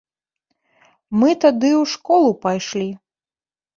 Мы тады ў школу пайшлі.